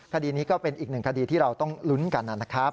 คดีนี้ก็เป็นอีกหนึ่งคดีที่เราต้องลุ้นกันนะครับ